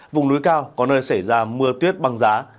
vùng núi cao có nơi xảy ra mưa tuyết băng giá